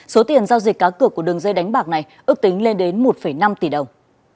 số tiền giao dịch cá cược của đường dây đánh bạc này ước tính lên đến một năm tỷ đồng